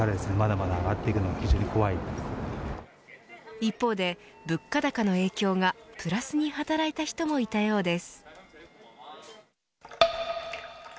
一方で物価高の影響がプラスに働いた人もいたようです。